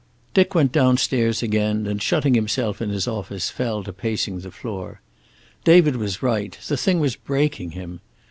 Dick went downstairs again and shutting himself in his office fell to pacing the floor. David was right, the thing was breaking him.